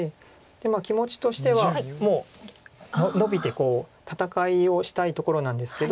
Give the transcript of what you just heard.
まあ気持ちとしてはもうノビて戦いをしたいところなんですけど。